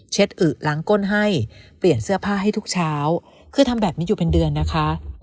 อึล้างก้นให้เปลี่ยนเสื้อผ้าให้ทุกเช้าคือทำแบบนี้อยู่เป็นเดือนนะคะ